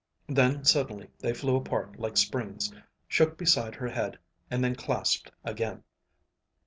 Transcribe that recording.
Then suddenly they flew apart like springs, shook beside her head, and then clasped again.